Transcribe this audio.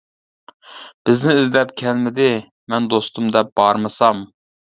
بىزنى ئىزدەپ كەلمىدى، مەن دوستۇم دەپ بارمىسام.